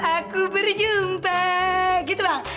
aku berjumpa gitu bang